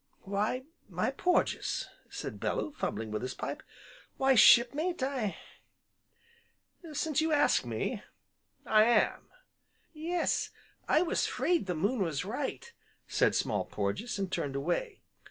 "Why, my Porges," said Bellew, fumbling with his pipe, "why Shipmate, I since you ask me I am." "Yes, I was 'fraid the moon was right," said Small Porges, and turned away.